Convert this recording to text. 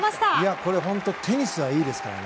これ、本当テニスはいいですからね。